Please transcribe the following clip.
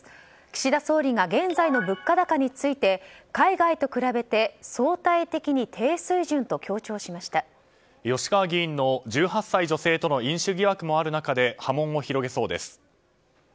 岸田総理が現在の物価高について海外と比べて相対的に低水準と吉川議員の１８歳女性との飲酒疑惑もある中で波紋を広げそうです。